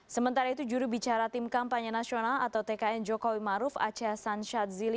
sementara itu juru bicara tim kampanye nasional atau tkn jokowi maruf aceh san shadzili